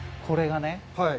これがね。